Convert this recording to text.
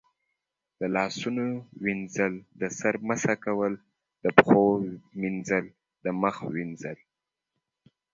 د لاسونو وینځل، د سر مسح کول، د پښو مینځل، د مخ وینځل